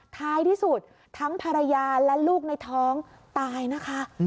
ท้ายที่สุดทั้งภรรยาและลูกในท้องตายนะคะ